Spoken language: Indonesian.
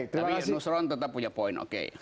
tapi nusron tetap punya poin oke